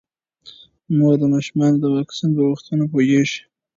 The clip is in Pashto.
مور د ماشومانو د واکسین په وختونو پوهیږي.